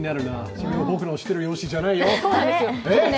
それは僕の知ってるヨッシーじゃないよ。